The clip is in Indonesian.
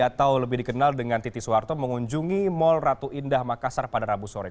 atau lebih dikenal dengan titi soeharto mengunjungi mall ratu indah makassar pada rabu sore